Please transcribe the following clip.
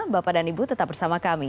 bapak dan ibu tetap bersama kami